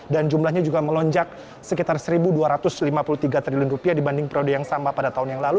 jumlahnya juga melonjak sekitar rp satu dua ratus lima puluh tiga triliun dibanding periode yang sama pada tahun yang lalu